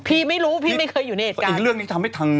พี่ไม่รู้พี่ไม่เคยอยู่ในเหตุการณ์